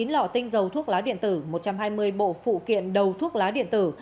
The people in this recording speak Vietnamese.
một mươi lọ tinh dầu thuốc lá điện tử một trăm hai mươi bộ phụ kiện đầu thuốc lá điện tử